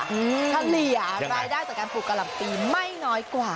ดีละค่ะสามารถรายได้จากการปลูกกะลำกรีไม่น้อยกว่า